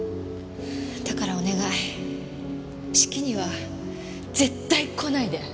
だからお願い式には絶対来ないで！